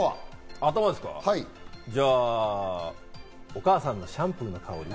じゃあ、お母さんのシャンプーの香り。